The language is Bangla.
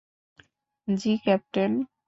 জি, ক্যাপ্টেন।